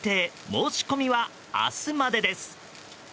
申し込みは明日までです。